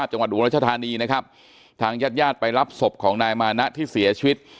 อุรัชธานีนะครับทางญาติญาติไปรับศพของนายมานะที่เสียชีวิต